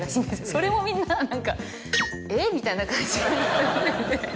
それをみんな何か「えっ⁉」みたいな感じで。